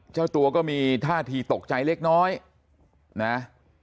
เจ้าตัวก็มีท่าทีตกใจเล็กน้อยนะ